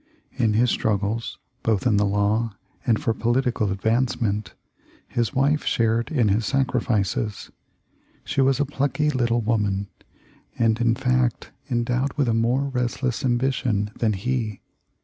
In his struggles, both in the law and for political advancement, his wife shared in his sacrifices. She was a plucky little woman, and in fact endowed with a more restless 295 296 THE L1FE 0F LINCOLN. ambition than he.